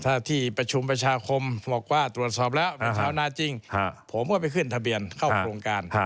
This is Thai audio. ถ้าที่ประชุมประชาคมบอกว่าตรวจสอบแล้วเป็นชาวนาจริงผมก็ไปขึ้นทะเบียนเข้าโครงการ